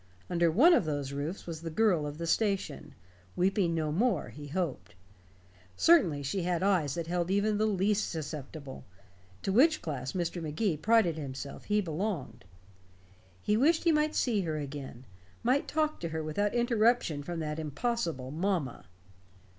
Under one of those roofs was the girl of the station weeping no more, he hoped. Certainly she had eyes that held even the least susceptible to which class Mr. Magee prided himself he belonged. He wished he might see her again; might talk to her without interruption from that impossible "mamma."